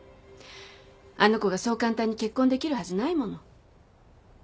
あの子がそう簡単に結婚できるはずないもの。